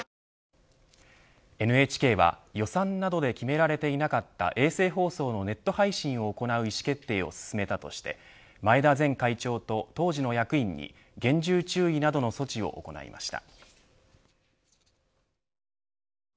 ＮＨＫは予算などで決められていなかった衛星放送のネット配信を行う意思決定を進めたとして前田前会長と当時の役員に厳重注意などの措置を行いました。